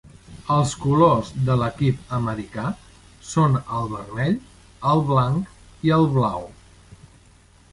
Els colors de l'equip americà són el vermell, el blanc i el blau.